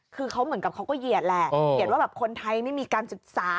คือเขาเหมือนกับเขาก็เหยียดแหละเหยียดว่าแบบคนไทยไม่มีการศึกษา